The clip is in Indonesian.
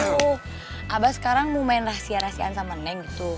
aduh abah sekarang mau main rahasia rahasiaan sama neng gitu